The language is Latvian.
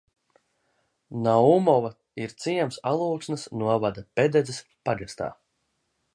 Naumova ir ciems Alūksnes novada Pededzes pagastā.